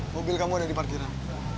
mobil kamu ada di parkiran